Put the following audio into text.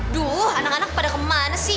duh anak anak pada kemana sih